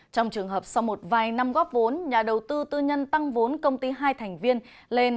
trong trường hợp sau một vài năm góp vốn nhà đầu tư tư nhân tăng vốn công ty hai thành viên lên